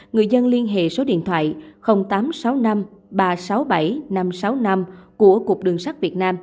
người dân liên hệ số điện thoại tám trăm sáu mươi năm ba trăm sáu mươi bảy năm mươi năm